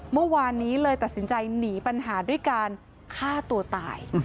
เมื่อวานนี้เลยตัดสินใจหนีปัญหาห้าตัวตาย